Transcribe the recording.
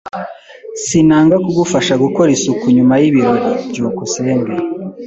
Sinanga kugufasha gukora isuku nyuma yibirori. byukusenge